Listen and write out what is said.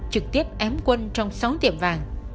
trực tiếp ém quân trong sáu tiệm vàng